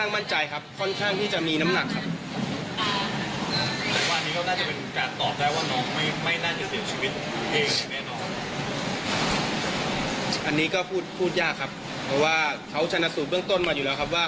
อันนี้ก็พูดยากครับเพราะว่าเขาชนะสูตรเบื้องต้นมาอยู่แล้วครับว่า